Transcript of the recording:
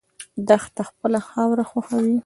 دښته خپله خاوره خوښوي.